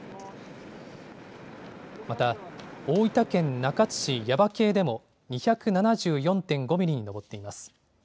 また、大分県中津市耶馬渓でも２７４．５ミリに上っています。